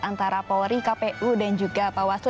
antara polri kpu dan juga bawaslu